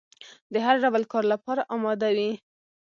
د هر ډول کار لپاره اماده وي.